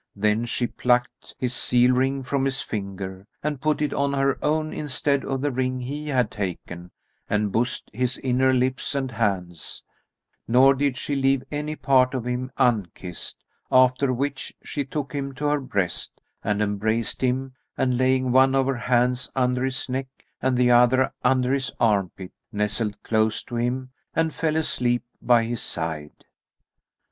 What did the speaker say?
Then she plucked his seal ring from his finger, and put it on her own instead of the ring he had taken, and bussed his inner lips and hands, nor did she leave any part of him unkissed; after which she took him to her breast and embraced him and, laying one of her hands under his neck and the other under his arm pit, nestled close to him and fell asleep by his side.